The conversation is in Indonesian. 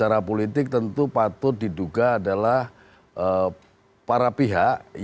nah ini yang berpikir yang susun dan secara politik tentu patut diduga adalah para pihak yang sudah mengelola